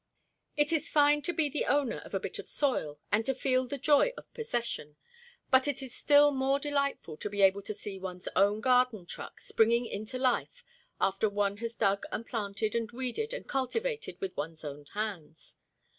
It is fine to be the owner of a bit of soil and to feel the joy of possession, but it is still more delightful to be able to see one's own garden truck springing into life after one has dug and planted and weeded and cultivated with one's own hands.